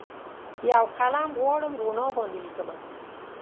یوقلم غواړم روڼا باندې لیکمه